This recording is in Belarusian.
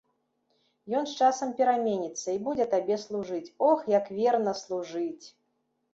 Ён з часам пераменіцца і будзе табе служыць, ох, як верна служыць!